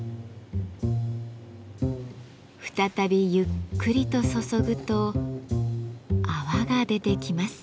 再びゆっくりと注ぐと泡が出てきます。